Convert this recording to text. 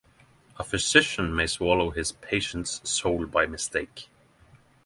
A physician may swallow his patient's soul by mistake.